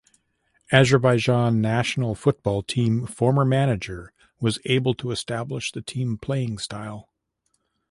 Azerbaijan national football team former manager was able to establish the team playing style.